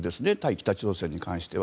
北朝鮮に関しては。